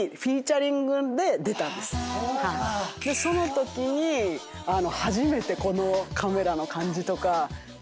そのときに初めてこのカメラの感じとかかわる。